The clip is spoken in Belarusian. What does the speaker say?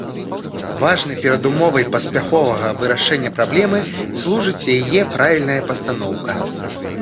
Важнай перадумовай паспяховага вырашэння праблемы служыць яе правільная пастаноўка.